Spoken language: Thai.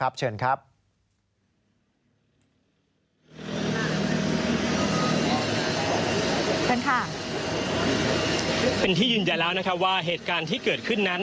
เป็นที่ยืนยันแล้วนะครับว่าเหตุการณ์ที่เกิดขึ้นนั้น